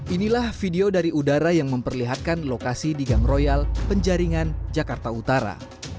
inilah video dari udara yang memperlihatkan lokasi di gang royal penjaringan jakarta utara